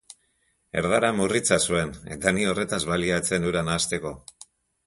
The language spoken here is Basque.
Erdara murritza zuen, eta ni horretaz baliatzen hura nahasteko.